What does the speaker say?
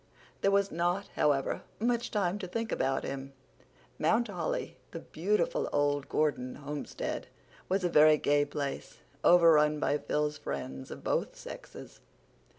There was not, however, much time to think about him. "Mount Holly," the beautiful old Gordon homestead, was a very gay place, overrun by Phil's friends of both sexes.